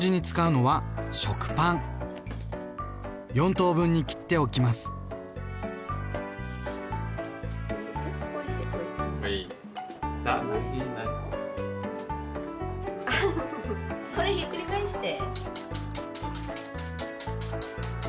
これひっくり返して。